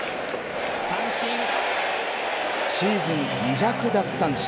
シーズン２００奪三振。